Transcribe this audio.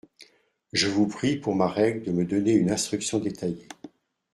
Je vous prie, pour ma règle, de me donner une instruction détaillée.